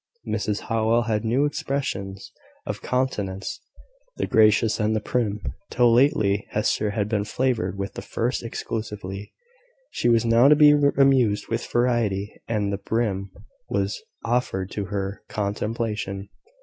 Mrs Howell had two expressions of countenance the gracious and the prim. Till lately, Hester had been favoured with the first exclusively. She was now to be amused with variety, and the prim was offered to her contemplation.